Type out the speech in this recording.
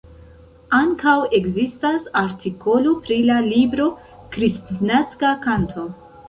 Ankaŭ ekzistas artikolo pri la libro Kristnaska Kanto".